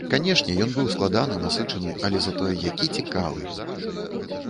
Канешне, ён быў складаны, насычаны, але затое які цікавы!